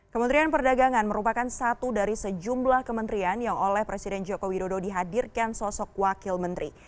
kementerian perdagangan merupakan satu dari sejumlah kementerian yang oleh presiden joko widodo dihadirkan sosok wakil menteri